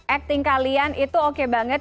acting kalian itu oke banget